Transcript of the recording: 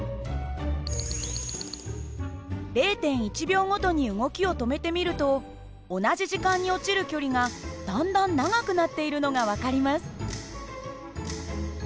０．１秒ごとに動きを止めてみると同じ時間に落ちる距離がだんだん長くなっているのが分かります。